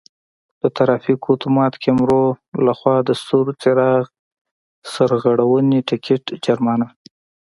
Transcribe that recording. د ترافیکو آتومات کیمرو له خوا د سور څراغ سرغړونې ټکټ جرمانه: